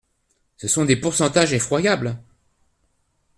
Ce sont des pourcentages effroyables.